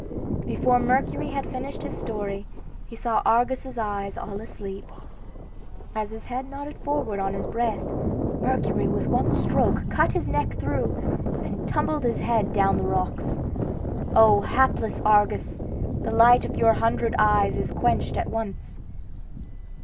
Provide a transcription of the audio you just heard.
Before Mercury had finished his story he saw Argus's eyes all asleep. As his head nodded forward on his breast, Mercury with one stroke cut his neck through, and tumbled his head down the rocks. O hapless Argus! the light of your hundred eyes is quenched at once!